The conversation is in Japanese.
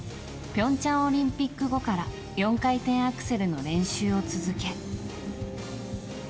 平昌オリンピック後から４回転アクセルの練習を続け。